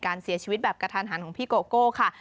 การเสียชีวิตแบบกระทันหันของพี่โกโก้ค่ะ